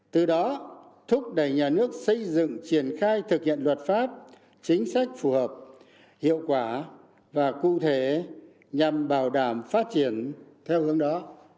từ đó thúc đẩy nhà nước xây dựng triển khai thực hiện luật pháp chính sách phù hợp hiệu quả và cụ thể nhằm bảo đảm phát triển theo hướng đó